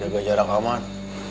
jangan jarak aman